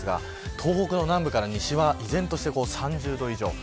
東北は南部から西は依然として３０度以上。